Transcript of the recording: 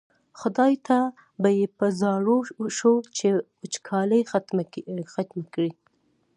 خدای ته به یې په زاریو شو چې وچکالي ختمه کړي.